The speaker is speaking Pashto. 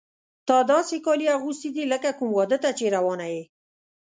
تا داسې کالي اغوستي دي لکه کوم واده ته چې روانه یې.